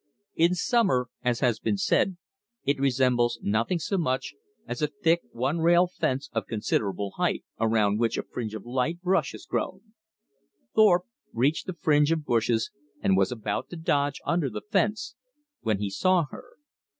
In summer, as has been said, it resembles nothing so much as a thick one rail fence of considerable height, around which a fringe of light brush has grown. Thorpe reached the fringe of bushes, and was about to dodge under the fence, when he saw her.